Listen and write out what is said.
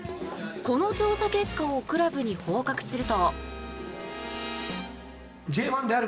この調査結果をクラブに報告すると。